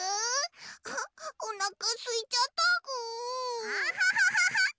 あっおなかすいちゃったぐ。